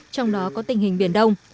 trong đó có tình hình biển đông